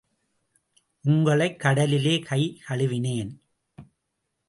உங்களைக் கடலிலே கை கழுவினேன்.